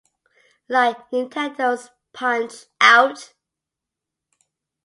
Like Nintendo's Punch-Out!!